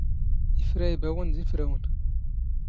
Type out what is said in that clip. ⵉⴼⵔⴰ ⵉⴱⴰⵡⵏ ⴷ ⵉⴼⵔⴰⵡⵏ